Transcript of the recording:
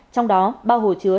trong đó ba hồ chứa